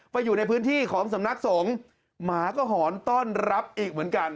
ไปอยู่ในพื้นที่ของสำนักสงฆ์หมาก็หอนต้อนรับอีกเหมือนกัน